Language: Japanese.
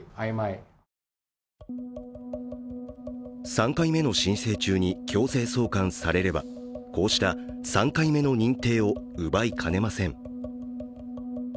３回目の申請中に強制送還されればこうした３回目の認定を奪いかねません。